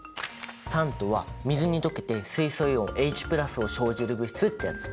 酸とは水に溶けて水素イオンＨを生じる物質ってやつ。